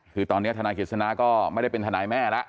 คือตอนนี้ธนายกิจสนาก็ไม่ได้เป็นทนายแม่แล้ว